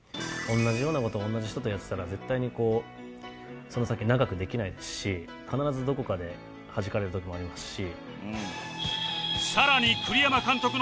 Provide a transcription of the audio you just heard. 同じような事を同じ人とやってたら絶対にこうその先長くできないですし必ずどこかではじかれる時もありますし。